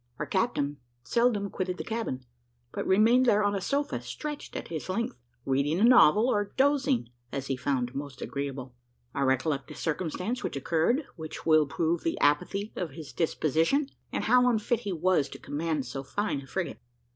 Our captain seldom quitted the cabin, but remained there on a sofa, stretched at his length, reading a novel, or dozing, as he found most agreeable. I recollect a circumstance which occurred, which will prove the apathy of his disposition, and how unfit he was to command so fine a frigate.